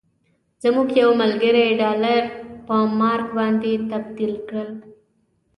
زموږ یو ملګري ډالر په مارک باندې تبدیل کړل.